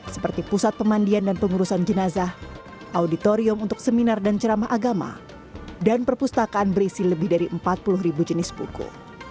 seperti pusat pemandian dan pengurusan jenazah auditorium untuk seminar dan ceramah agama dan perpustakaan berisi lebih dari empat puluh ribu jenis buku